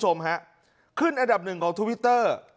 ชมครับขึ้นอันดับหนึ่งของทวิตเตอร์